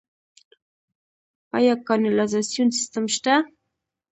آیا کانالیزاسیون سیستم شته؟